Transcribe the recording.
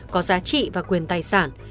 có giá trị và quyền tài sản